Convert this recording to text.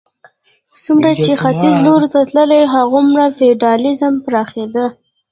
څومره چې ختیځ لور ته تللې هغومره فیوډالېزم پراخېده.